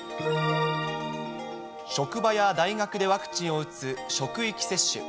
職場や大学でワクチンを打つ職域接種。